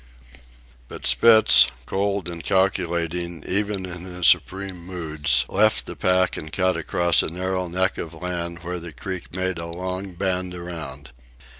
But Spitz, cold and calculating even in his supreme moods, left the pack and cut across a narrow neck of land where the creek made a long bend around.